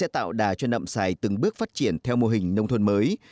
tạo đà cho nậm xài từng bước phát triển theo mô hình nông thôn mới